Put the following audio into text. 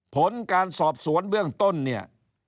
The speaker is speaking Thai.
ผลการสอบสวนเบื้องต้นเนี่ย